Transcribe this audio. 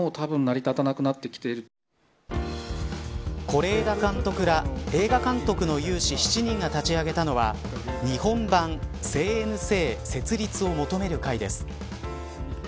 是枝監督ら映画監督の有志７人が立ち上げたのは日本版ＣＮＣ設立を求める会です。